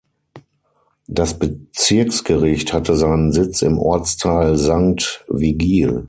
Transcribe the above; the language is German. Das Bezirksgericht hatte seinen Sitz im Ortsteil Sankt Vigil.